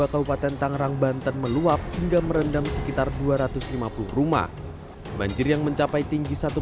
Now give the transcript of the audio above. kabupaten tangerang banten meluap hingga merendam sekitar dua ratus lima puluh rumah banjir yang mencapai tinggi satu